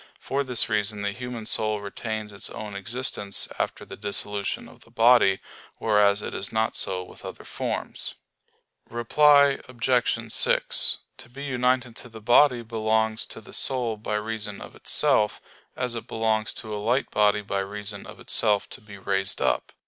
For this reason the human soul retains its own existence after the dissolution of the body; whereas it is not so with other forms. Reply Obj. 6: To be united to the body belongs to the soul by reason of itself, as it belongs to a light body by reason of itself to be raised up.